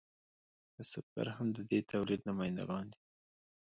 کسبګر هم د دې تولید نماینده ګان دي.